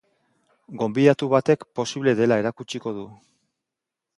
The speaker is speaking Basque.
Gonbidatu batek posible dela erakutsiko du.